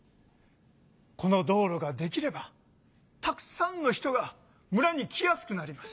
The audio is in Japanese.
この道路ができればたくさんの人が村に来やすくなります。